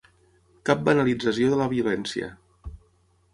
Cap banalització de la violència!